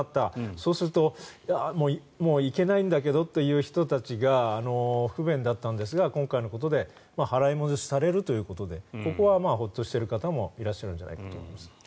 そうすると、もう行けないんだけどという人たちが不便だったんですが今回のことで払い戻しされるということでここはホッとしている方もいらっしゃると思います。